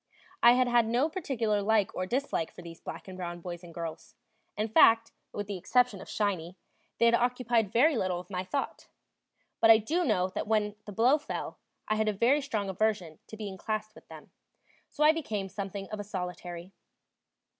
I had had no particular like or dislike for these black and brown boys and girls; in fact, with the exception of "Shiny," they had occupied very little of my thought; but I do know that when the blow fell, I had a very strong aversion to being classed with them. So I became something of a solitary.